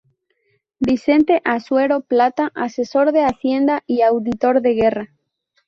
Vicente Azuero Plata, asesor de Hacienda y auditor de Guerra.